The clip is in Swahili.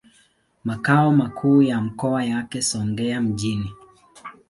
Makao makuu ya mkoa yako Songea mjini.